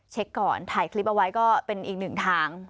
เช็คก่อนถ่ายคลิปเอาไว้ก็เป็นอีกหนึ่งทาง